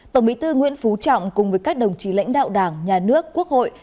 tổng bí thư nguyễn phú trọng cùng với các đồng chí lãnh đạo đảng nhà nước quốc hội